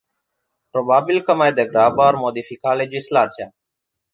Probabil că mai degrabă ar modifica legislația.